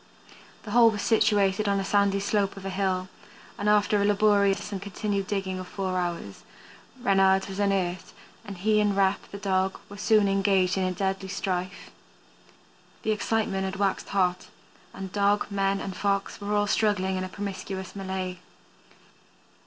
The hole was situated on the sandy slope of a hill, and after a laborious and continued digging of four hours, Reynard was unearthed and he and Rep, the dog, were soon engaged in deadly strife. The excitement had waxed hot, and dog, men, and Fox were all struggling in a promiscuous melee.